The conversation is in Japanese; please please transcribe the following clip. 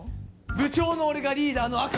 部長の俺がリーダーのアカ！